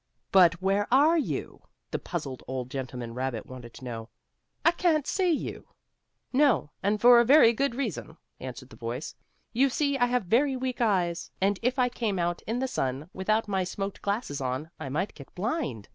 "But where are you?" the puzzled old gentleman rabbit wanted to know. "I can't see you." "No, and for a very good reason," answered the voice. "You see I have very weak eyes, and if I came out in the sun, without my smoked glasses on, I might get blind.